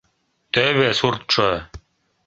Тӧвӧ суртшо.